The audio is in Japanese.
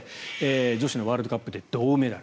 女子のワールドカップで銅メダル。